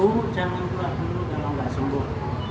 bu jangan keluar dulu kalau nggak sembuh